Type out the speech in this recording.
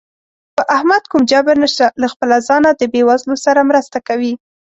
په احمد کوم جبر نشته، له خپله ځانه د بېوزلو سره مرسته کوي.